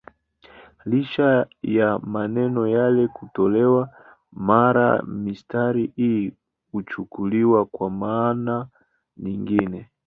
Licha ya maneno yale kutolewa, mara mistari hii huchukuliwa kwa maana nyingine.